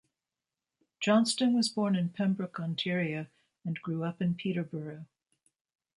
Johnston was born in Pembroke, Ontario and grew up in Peterborough.